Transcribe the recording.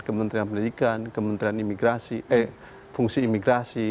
kementerian pendidikan kementerian imigrasi eh fungsi imigrasi